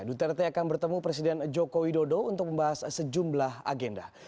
duterte akan bertemu presiden joko widodo untuk membahas sejumlah agenda